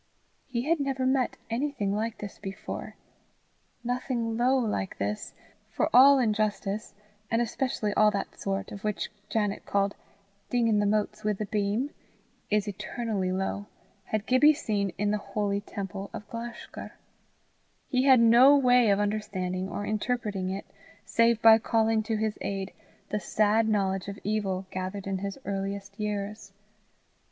He had never met anything like this before. Nothing low like this for all injustice, and especially all that sort of thing which Janet called "dingin' the motes wi' the beam," is eternally low had Gibbie seen in the holy temple of Glashgar! He had no way of understanding or interpreting it save by calling to his aid the sad knowledge of evil, gathered in his earliest years.